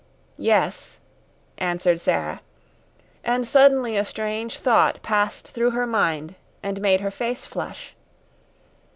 "Yes," answered Sara, and suddenly a strange thought passed through her mind and made her face flush.